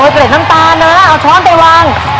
เกร็ดน้ำตานเลยละเอาช้อนไปวาง